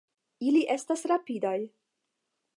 Ili estas rapidaj.